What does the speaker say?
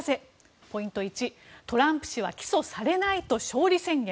ポイント１、トランプ氏は起訴されないと勝利宣言。